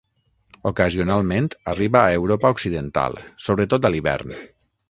Ocasionalment arriba a Europa Occidental, sobretot a l'hivern.